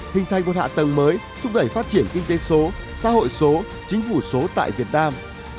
hình thành một hạ tầng mới thúc đẩy phát triển kinh tế số xã hội số chính phủ số tại việt nam